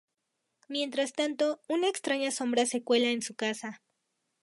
Mientras tanto, una extraña sombra se cuela en su casa.